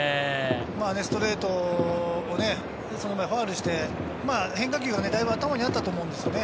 ストレートをその前ファウルして、変化球がだいぶ頭にあったと思うんですね。